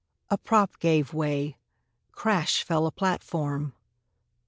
A prop gave way! crash fell a platform!